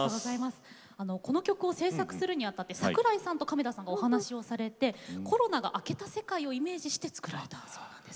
この曲を制作するにあたって桜井さんと亀田さんがお話をされてコロナが明けた世界をイメージして作られたそうなんです。